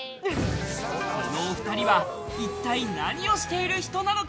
このお２人は一体何をしている人なのか？